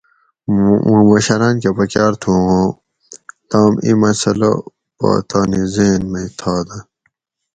مُوں مشراۤن کہۤ پکاۤر تھو اُوں تام اِیں مسٔلہ پا تانی ذہن مئ تھا دہ